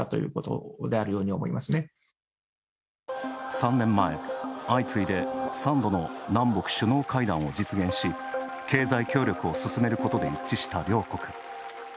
３年前、相次いで３度の南北首脳会談を実現し経済協力を進めることで一致した両国。